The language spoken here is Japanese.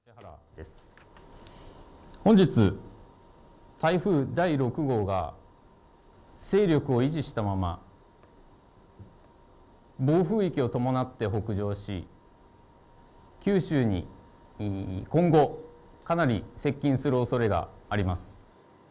本日、台風第６号が勢力を維持したまま暴風域を伴って北上し九州に今後、かなり接近するおそれがあります。